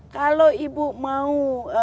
kalau ibu mau